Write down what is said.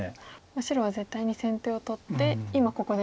白は絶対に先手を取って今ここで。